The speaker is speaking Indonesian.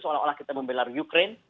seolah olah kita membela ukraine